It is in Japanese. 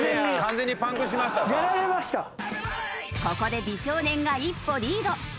ここで美少年が一歩リード。